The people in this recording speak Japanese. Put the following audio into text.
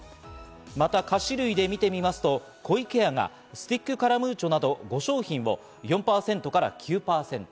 また菓子類で見てみますと湖池屋がスティックカラムーチョなど５商品を４％から９％。